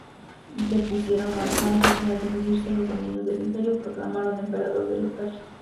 Depusieron al padre y, al dividirse los dominios del imperio proclamaron emperador a Lotario.